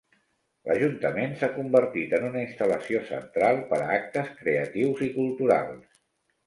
L'Ajuntament s'ha convertit en una instal·lació central per a actes creatius i culturals.